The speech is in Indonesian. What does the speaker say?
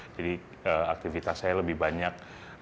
jadi aktivitas saya lebih banyak